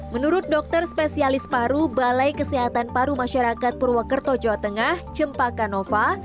menurut dokter spesialis paru balai kesehatan paru masyarakat purwakerto jawa tengah jempa kanova